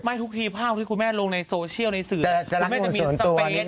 ไม่ทุกทีภาพที่คุณแม่ลงในโซเชียลในสื่อจะจะมีสัมเปตจะมีชอบบาง